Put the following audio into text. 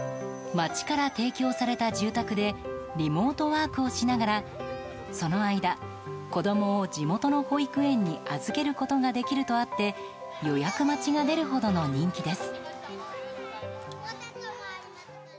町から提供された住宅でリモートワークをしながらその間、子供を地元の保育園に預けることができるとあって予約待ちが出るほどの人気です。